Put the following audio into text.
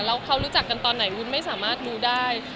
แล้วเขารู้จักกันตอนไหนวุ้นไม่สามารถรู้ได้